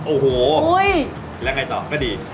โอ้โหแล้วไงต่อก็ดี